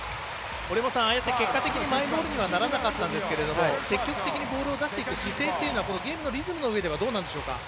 結果的にマイボールにはならなかったんですけど積極的にボールを出していく姿勢というのはゲームのリズムの上ではどうなんでしょう。